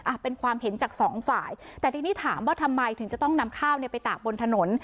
เป็นความเห็นจากสองฝ่ายแต่ทีนี้ถามว่าทำไมถึงจะต้องนำข้าวเนี่ยไปตากบนถนน